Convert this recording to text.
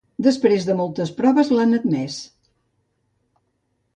Després de moltes proves l'han admès.